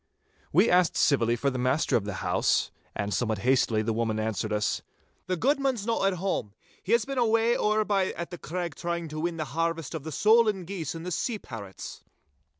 We asked civilly for the master of the house, and somewhat hastily the woman answered us,— 'The guidman's no at hame. He has been away ower by at the Craig trying to win the harvest of the solan geese and sea parrots.